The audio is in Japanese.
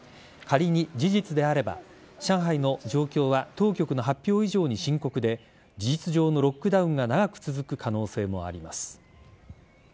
仮に事実であれば上海の状況は当局の発表以上に深刻で事実上のロックダウンが長く続く可能性もあります。